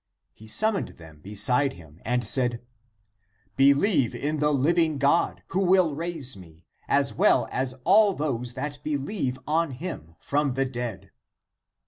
He summoned them beside him and said :" Believe in the living God, who will raise me, as well as all those that believe on him, from the dead."